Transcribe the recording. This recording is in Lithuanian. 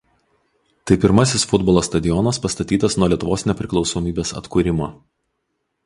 Tai pirmasis futbolo stadionas pastatytas nuo Lietuvos nepriklausomybės atkūrimo.